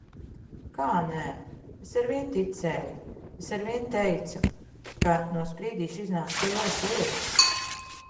Kā nē? Es arvien ticēju! Es arvien teicu, ka no Sprīdīša iznāks lielas lietas.